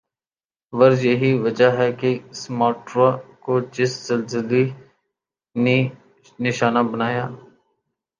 ور یہی وجہ ہی کہ سماٹرا کو جس زلزلی نی نشانہ بنایا